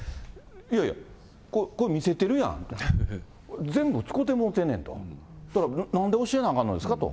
いやいや、これ見せてるやん、全部つこうてもうてるねんと、だから、なんで教えなあかんのですかと。